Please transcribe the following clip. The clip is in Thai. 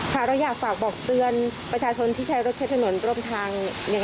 ถ้าเห็นสัญญาณไฟเลนก็ช่วยหลบให้รถพยาบาลนิดหนึ่งนะครับ